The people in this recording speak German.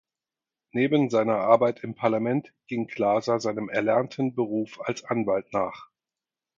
Neben seiner Arbeit im Parlament ging Glaser seinem erlernten Beruf als Anwalt nach.